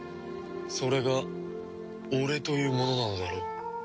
それが俺というものなのだろう。